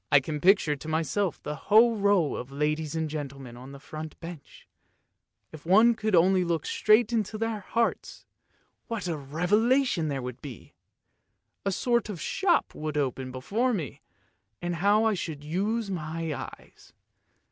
" I can picture to myself the whole row of ladies and gentle men on the front bench, if one could only look straight into their hearts — what a revelation there would be ! A sort of shop would open before me, and how I should use my eyes